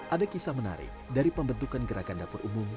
ada kisah menarik dari pembentukan gerakan dapur umum